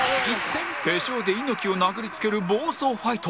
手錠で猪木を殴りつける暴走ファイト